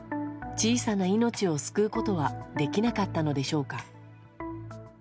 小さな命を救うことはできなかったのでしょうか。